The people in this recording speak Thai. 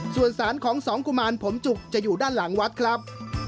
ส่วนสารของสองกุมารผมจุกจะอยู่ด้านหลังวัดครับ